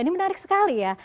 ini menarik sekali ya